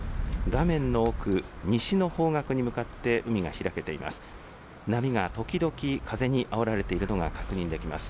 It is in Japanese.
画面の奥、西の方角に向かって海が開けています。